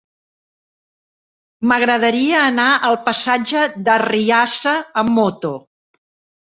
M'agradaria anar al passatge d'Arriassa amb moto.